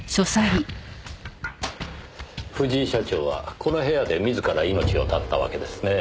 藤井社長はこの部屋で自ら命を絶ったわけですねえ。